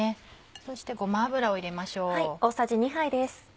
そしてごま油を入れましょう。